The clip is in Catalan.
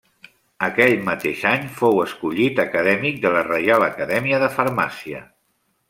Aquell mateix any fou escollit acadèmic de la Reial Acadèmia de Farmàcia.